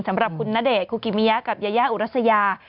สำหรับคุณณเดชนคุกิมิยะกับยายาอุรัสยา